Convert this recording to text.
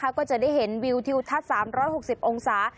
ก็จะได้เห็นวิวทิวทัศน์๓๖๐องศา